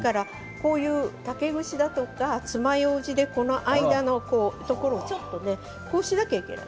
竹串だとか、つまようじでこの間のところをちょっとねこうしないといけない。